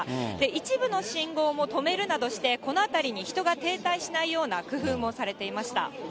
一部の信号も止めるなどして、この辺りに人が停滞しないような工夫もされていました。